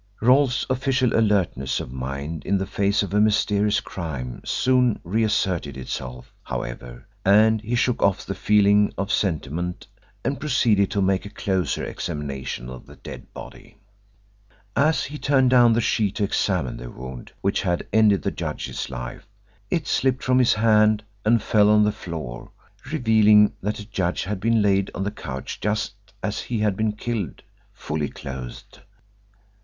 Rolfe's official alertness of mind in the face of a mysterious crime soon reasserted itself, however, and he shook off the feeling of sentiment and proceeded to make a closer examination of the dead body. As he turned down the sheet to examine the wound which had ended the judge's life, it slipped from his hand and fell on the floor, revealing that the judge had been laid on the couch just as he had been killed, fully clothed.